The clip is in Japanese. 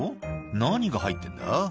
「何が入ってんだ？」